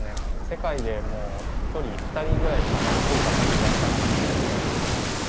世界でも１人２人ぐらいしかもう作る方がいらっしゃらなくてですね。